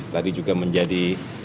tadi juga menjadi